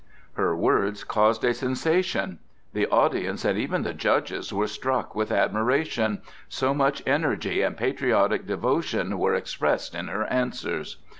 Her words caused a sensation. The audience and even the judges were struck with admiration, so much energy and patriotic devotion were expressed in her answers.